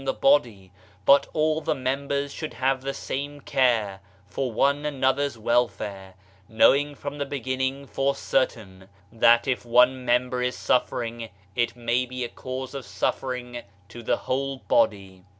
45 Diaiiizedb, Google MYSTERIOUS FORCES body, but all the members should have the same care for one another's welfare, knowing from the beginning, for certain, that, if one member is suf fering, it may be a cause of suffering to the whole body.